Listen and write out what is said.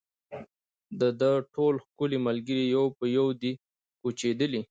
د ده ټول ښکلي ملګري یو په یو دي کوچېدلي